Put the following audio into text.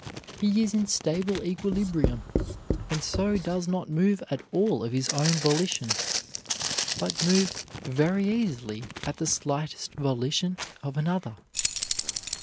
He is in stable equilibrium, and so does not move at all of his own volition, but moves very easily at the slightest volition of another.